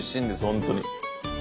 本当に。